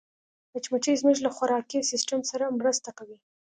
مچمچۍ زموږ له خوراکي سیسټم سره مرسته کوي